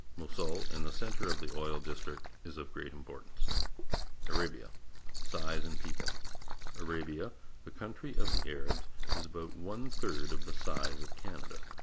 Mosul, in the centre of the oil district, is of great importance. ARABIA (p^r^ Size and People. — Arabia, the countrj' of the Arabs, is about one third of the size of Canada.